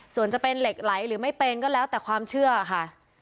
ส่วนจะเป็นเหล็กไหลหรือไม่เป็นก็แล้วแต่ความเชื่อค่ะ